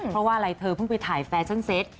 เพราะว่าอะไรเธอเพิ่งไปถ่ายแฟชั่นเซ็ต